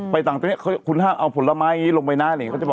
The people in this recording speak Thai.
ไปต่างประเทศคุณห้ามเอาผลไม้ลงไปนะ